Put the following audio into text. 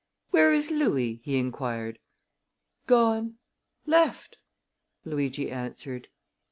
"Where is Louis?" he inquired. "Gone left!" Luigi answered.